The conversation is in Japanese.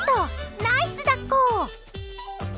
ナイス抱っこ！